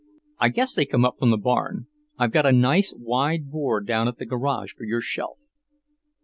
"I guess they come up from the barn. I've got a nice wide board down at the garage for your shelf."